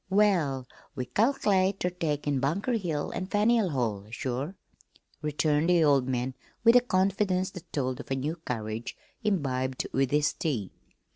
"Well, we cal'late ter take in Bunker Hill an' Faneuil Hall sure," returned the old man with a confidence that told of new courage imbibed with his tea.